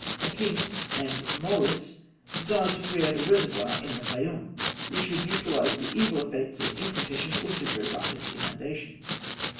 A king, named Moeris, desired to create a reservoir in the Fayûm which should neutralise the evil effects of insufficient or superabundant inundations.